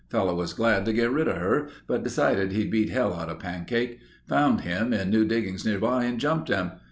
Fellow was glad to get rid of her, but decided he'd beat hell out of Pancake. Found him in new diggings nearby and jumped him.